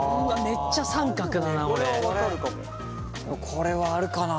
これはあるかな。